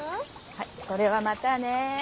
はいそれはまたね。